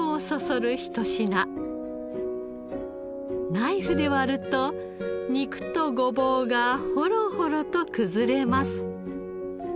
ナイフで割ると肉とごぼうがほろほろと崩れます。